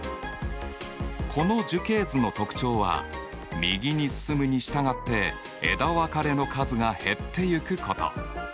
この樹形図の特徴は右に進むに従って枝分かれの数が減っていくこと。